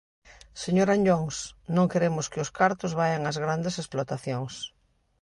Señor Anllóns, non queremos que os cartos vaian ás grandes explotacións.